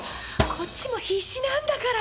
こっちも必死なんだから。